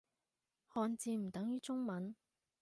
漢字唔等於中文